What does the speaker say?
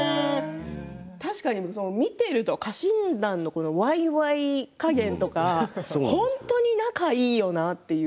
確かに見ていると家臣団のわいわい加減とか本当に仲がいいよなっていう。